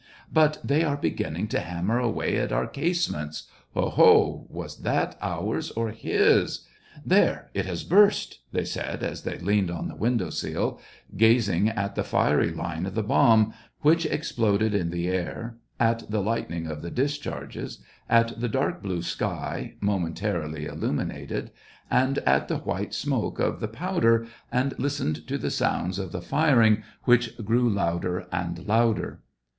" But they are beginning to hammer away at our casemates. Oho ! was that ours or his ? there, it has burst," they said, as they leaned on the window sill, gazing at the fiery line of the bomb, which exploded in the air, at the lightning of the discharges, at the dark blue sky, momentarily illuminated, and at the white smoke of the powder, and listened to the sounds of the firing, which grew louder and louder.